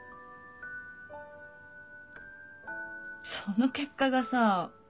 その結果がさ。